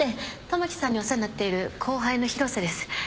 たまきさんにお世話になっている後輩の広瀬です。